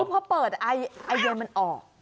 พอเปิดไอเย็นมันออก